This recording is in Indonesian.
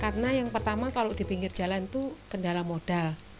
karena yang pertama kalau di pinggir jalan itu kendala modal